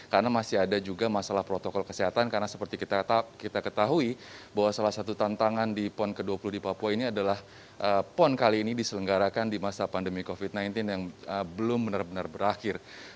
karena masih ada juga masalah protokol kesehatan karena seperti kita ketahui bahwa salah satu tantangan di pon ke dua puluh di papua ini adalah pon kali ini diselenggarakan di masa pandemi covid sembilan belas yang belum benar benar berakhir